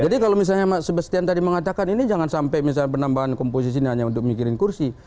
jadi kalau misalnya mbak sebastian tadi mengatakan ini jangan sampai misalnya penambahan komposisi ini hanya untuk mikirin kursi